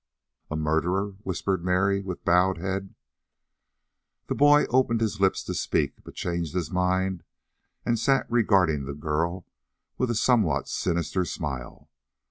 "A murderer!" whispered Mary, with bowed head. The boy opened his lips to speak, but changed his mind and sat regarding the girl with a somewhat sinister smile.